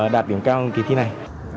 đạt điểm cao trong kỳ thi này